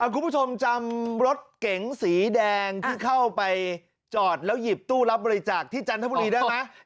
คุณผู้ชมจำรถเก๋งสีแดงที่เข้าไปจอดแล้วหยิบตู้รับบริจาคที่จันทบุรีได้ไหม